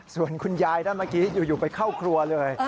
ส่วนคุณยายท่านเมื่อกี้อยู่ไปเข้าครัวเลย